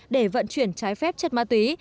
để vận chuyển trái phép chất ma túy